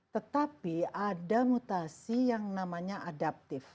tetapi ada mutasi yang namanya adaptif